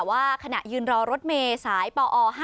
ว่าขณะยืนรอรถเมย์สายปอ๕๗